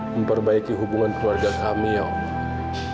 memperbaiki hubungan keluarga kami ya allah